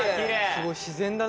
すごい自然だね。